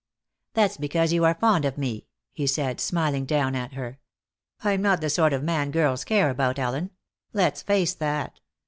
"That's because you are fond of me," he said, smiling down at her. "I'm not the sort of man girls care about, Ellen. Let's face that.